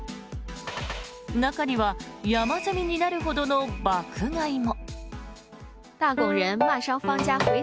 中には山積みになるほどの爆買いも。